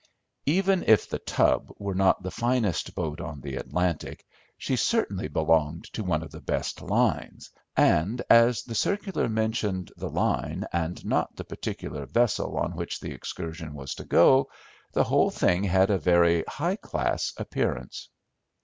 Even if The Tub were not the finest boat on the Atlantic, she certainly belonged to one of the best lines, and as the circular mentioned the line and not the particular vessel on which the excursion was to go, the whole thing had a very high class appearance.